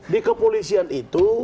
di kepolisian itu